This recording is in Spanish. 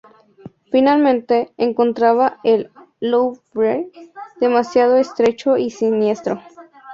Finalmente, encontraba el Louvre demasiado estrecho y siniestro.